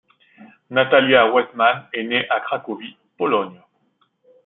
Natalia Weissman est née à Cracovie, Pologne.